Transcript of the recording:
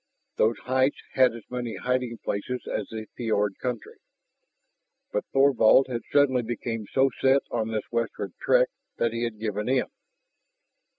Those heights had as many hiding places as the fiord country. But Thorvald had suddenly become so set on this westward trek that he had given in.